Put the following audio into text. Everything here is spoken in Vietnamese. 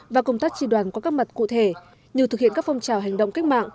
và công tác tri đoàn qua các mặt cụ thể như thực hiện các phong trào hành động cách mạng